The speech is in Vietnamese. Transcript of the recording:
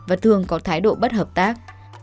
và thường có thái độ bất hợp tác